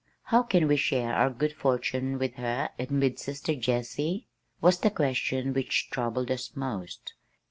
"How can we share our good fortune with her and with sister Jessie?" was the question which troubled us most.